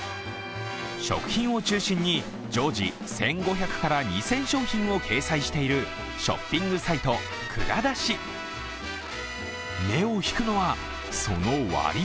食品を中心に常時、１５００から２０００商品を掲載しているショッピングサイト、ＫＵＲＡＤＡＳＨＩ。